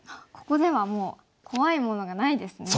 ここではもう怖いものがないですね。